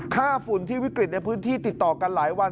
ฝุ่นที่วิกฤตในพื้นที่ติดต่อกันหลายวัน